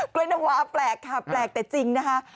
น้ำวาแปลกค่ะแปลกแต่จริงนะคะ